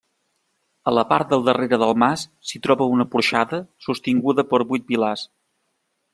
A la part del darrere del mas s'hi troba una porxada sostinguda per vuit pilars.